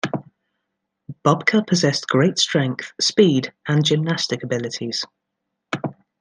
Bubka possessed great strength, speed and gymnastic abilities.